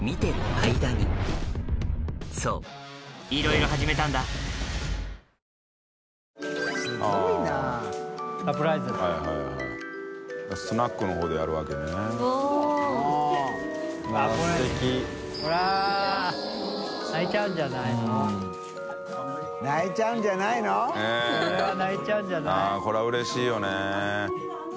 海譴うれしいよね。